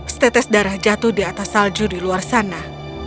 setetes darah jatuh di atas salju di luar sana